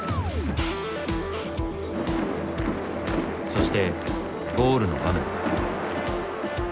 そしてゴールの場面。